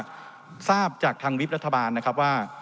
ท่านท่านท่านพอว่าทราบจากทางวิทย์ลัฐบาลนะคับว่า